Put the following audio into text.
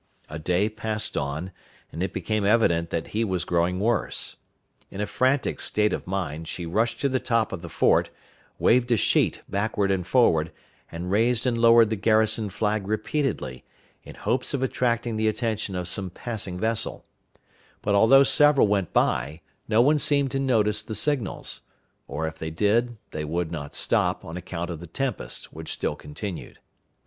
A day passed on, and it became evident that he was growing worse. In a frantic state of mind, she rushed up to the top of the fort, waved a sheet backward and forward, and raised and lowered the garrison flag repeatedly, in hopes of attracting the attention of some passing vessel; but although several went by, no one seemed to notice the signals, or, if they did, they would not stop, on account of the tempest, which still continued.